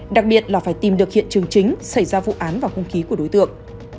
đặc biệt là phải tìm được hiện trường chính xảy ra vụ án vào không khí của đối tượng